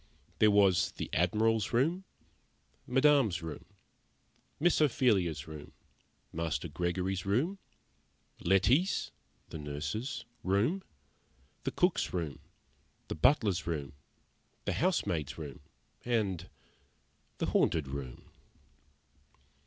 There was the Admiral's room, Madame's room, Miss Ophelia's room, Master Gregory's room, Letty's (the nurse's) room, the cook's room, the butler's room, the housemaid's room and the Haunted Room.